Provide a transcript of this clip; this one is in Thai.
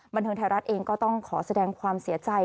บันเทิงไทยรัฐเองก็ต้องขอแสดงความเสียใจ